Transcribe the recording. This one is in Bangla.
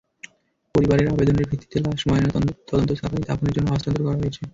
পরিবারের আবেদনের ভিত্তিতে লাশ ময়নাতদন্ত ছাড়াই দাফনের জন্য হস্তান্তর করা হয়েছে।